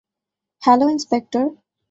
Hello, inspector.